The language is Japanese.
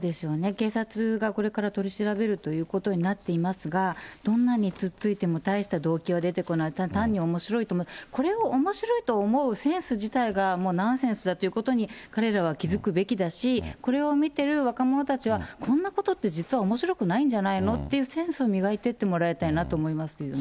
警察がこれから取り調べるということになっていますが、どんなに突っついても大した動機は出てこない、単におもしろいと思う、これをおもしろいと思うセンス自体が、もうナンセンスだということに、彼らは気付くべきだし、これを見てる若者たちは、こんなことって実はおもしろくないんじゃないのっていう、センスを磨いていってもらいたいなと思いますよね。